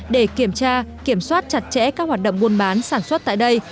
để kiểm tra kiểm soát chặt chẽ các hoạt động buôn bán sản xuất tại đây